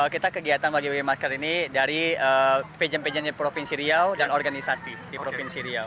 kita kegiatan bagi bagi masker ini dari pejen pejen dari provinsi riau dan organisasi di provinsi riau